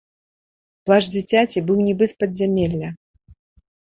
Плач дзіцяці быў нібы з падзямелля.